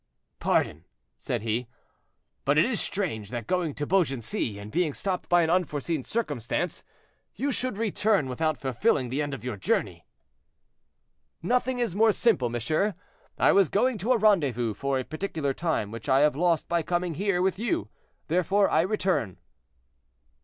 "Pardon," said he; "but it is strange that going to Beaugency, and being stopped by an unforeseen circumstance, you should return without fulfilling the end of your journey." "Nothing is more simple, monsieur; I was going to a rendezvous for a particular time, which I have lost by coming here with you; therefore I return."